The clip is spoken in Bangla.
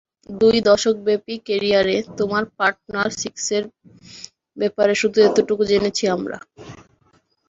দুই দশকব্যাপী ক্যারিয়ারে, তোমার পার্টনার সিক্সের ব্যাপারে শুধু এতটুকু জেনেছি আমরা।